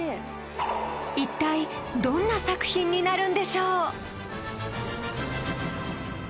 一体どんな作品になるんでしょう。